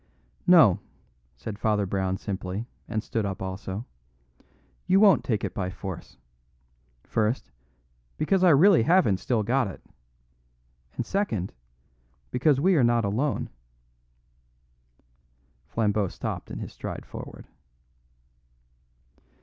"No," said Father Brown simply, and stood up also, "you won't take it by force. First, because I really haven't still got it. And, second, because we are not alone." Flambeau stopped in his stride forward.